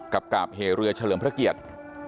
กาบเหเรือเฉลิมพระเกียรติ